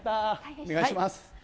お願いします。